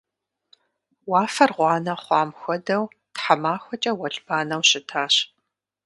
Уафэр гъуанэ хъуам хуэдэу тхьэмахуэкӏэ уэлбанэу щытащ.